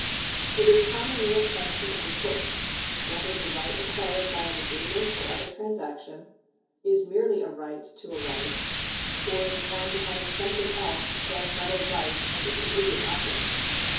^ It is commonly a question of importance, whether the right acquired by an agreement or other transaction is merely a right to a right, or is one having something else than another right as its immediate object.